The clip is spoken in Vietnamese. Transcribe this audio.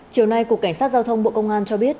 chiều nay cục cảnh sát giao thông bộ công an cho biết